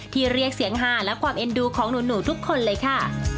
เรียกเสียงฮาและความเอ็นดูของหนูทุกคนเลยค่ะ